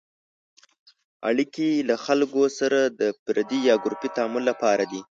اړیکې له خلکو سره د فردي یا ګروپي تعامل لپاره دي.